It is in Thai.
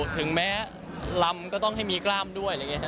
ถึงแม้ลำก็ต้องให้มีกล้ามด้วยอะไรอย่างนี้